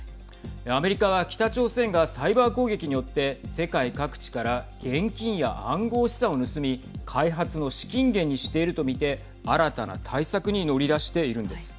アメリカは北朝鮮がサイバー攻撃によって世界各地から現金や暗号資産を盗み開発の資金源にしていると見て新たな対策に乗り出しているんです。